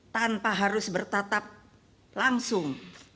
tanpa harus bertatap langsung